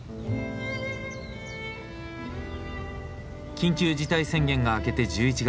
緊急事態宣言が明けて１１月。